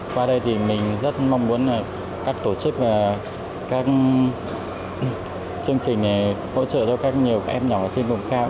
qua đây thì mình rất mong muốn là các tổ chức và các chương trình hỗ trợ cho các nhiều em nhỏ trên vùng cao